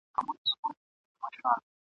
څاڅکی ومه ورک سوم پیمانې را پسي مه ګوره !.